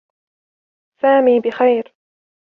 سامي بخير.